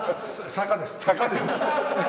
坂です。